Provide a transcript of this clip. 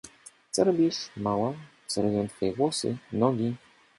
— Co robisz, mała? Co robią twoje włosy, nogi.